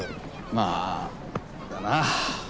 まぁだな。